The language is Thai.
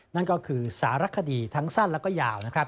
นั่นก็คือสารคดีทั้งสั้นและก็ยาว